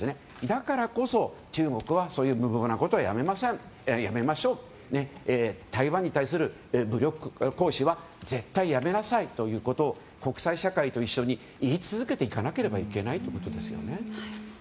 だからこそ、中国は、そういう無謀なことはやめましょう台湾に対する武力行使は絶対やめなさいと国際社会と一緒に言い続けていかなければいけないということですね。